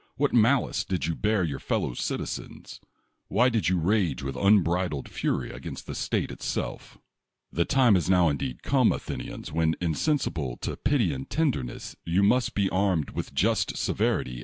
What malice did you bear your fel low citizens? Why did you rage with unbridled fury against the state itself?" The time has now indeed come, Athenians, when, insensible to pity and tenderness, you must be armed with just severity against Eratos ' Dehvered in Athens in 403 B.